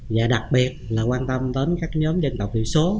và đặc biệt là quan tâm đến các nhóm dân tộc thiểu số